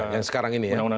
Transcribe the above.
yang sekarang ini ya